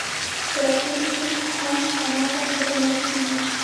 په راتلونکي کې هم هماغه څه درنه جوړېږي.